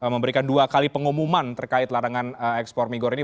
memberikan dua kali pengumuman terkait larangan ekspor migor ini